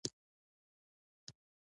احمد تر بوسو لاندې اوبه تېروي